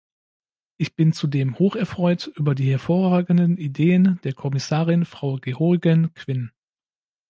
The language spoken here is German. Ich bin zudem hocherfreut über die hervorragenden Ideen der Kommissarin Frau Geoghegan-Quinn.